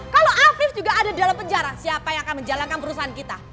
kalau afif juga ada di dalam penjara siapa yang akan menjalankan perusahaan kita